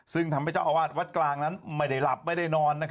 ซึ่งทำให้เจ้าอาวาสวัดกลางนั้นไม่ได้หลับไม่ได้นอน